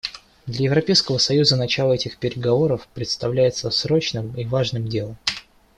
Для Европейского союза начало этих переговоров представляется срочным и важным делом.